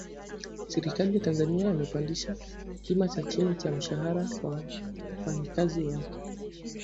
Serikali ya Tanzania yapandisha kima cha chini cha mshahara wa wafanyakazi wake